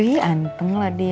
ih ganteng lah dia loh